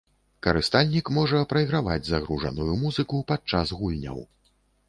Карыстальнік можа прайграваць загружаную музыку падчас гульняў.